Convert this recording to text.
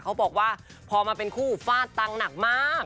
เขาบอกว่าพอมาเป็นคู่ฟาดตังค์หนักมาก